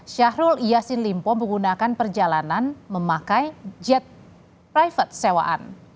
syahrul yassin limpo menggunakan perjalanan memakai jet private sewaan